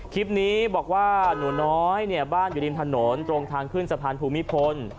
คลิปนี้บอกว่าหนูน้อยเนี่ยบ้านอยู่ริมถนนตรงทางขึ้นสะพานภูมิพล